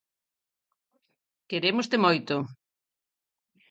Querémoste moito.